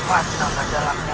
apa yang sedang dia lakukan